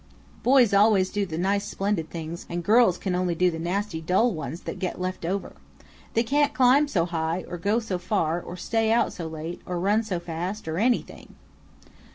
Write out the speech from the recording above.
Boys always do the nice splendid things, and girls can only do the nasty dull ones that get left over. They can't climb so high, or go so far, or stay out so late, or run so fast, or anything."